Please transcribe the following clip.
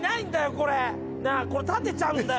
これ立てちゃうんだよ